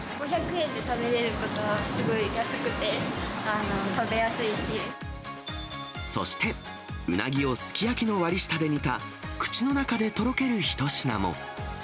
５００円で食べれることは、そして、うなぎをすき焼きの割り下で煮た口の中でとろける一品も。